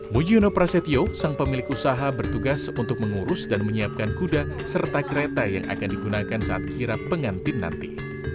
mujiono prasetyo sang pemilik usaha bertugas untuk mengurus dan menyiapkan kuda serta kereta yang akan digunakan saat kira pengantin nanti